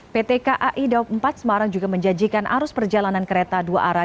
pt kai daop empat semarang juga menjanjikan arus perjalanan kereta dua arah